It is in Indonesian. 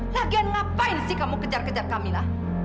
lagian ngapain sih kamu kejar kejar kamila